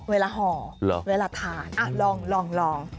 เวลาห่อเวลาทานลอง